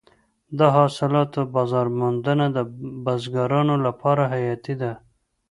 د حاصلاتو بازار موندنه د بزګرانو لپاره حیاتي ده.